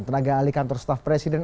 tenaga ahli kantor staf presiden